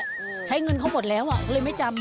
พี่ใช้เงินเขาหมดแล้วเลยไม่จำ